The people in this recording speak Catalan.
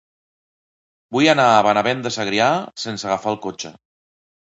Vull anar a Benavent de Segrià sense agafar el cotxe.